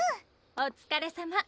おつかれさま